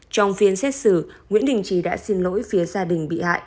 trong phiên xét xử nguyễn đình trí đã xin lỗi phía gia đình bị hại